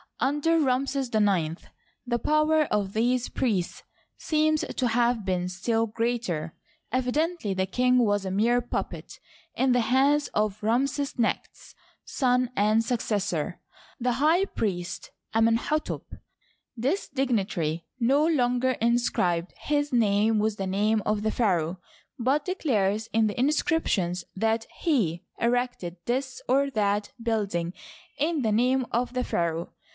Under Ramses IX the power of these priests seems to have been still greater ; evidently the king was a mere puppet in the hands of Ramsesnecht's son and successor, the Digitized byCjOOQlC io6 HISTORY OF EGYPT. high priest Amenhdtep. This dignitary no longer inscribed his name with the name of the pharaoh, but declares in the inscriptions that he erected this or that building in the name of the pharaoh.